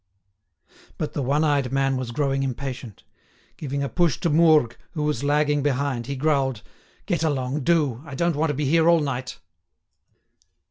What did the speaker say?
But the one eyed man was growing impatient; giving a push to Mourgue, who was lagging behind, he growled: "Get along, do; I don't want to be here all night."